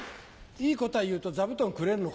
いい答え言うと座布団くれんの？